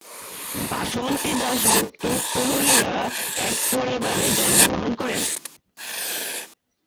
বাসন্তী দাশগুপ্ত পুরুলিয়া এক পরিবারে জন্মগ্রহণ করেন।